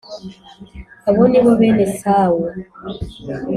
Abo ni bo bene esawu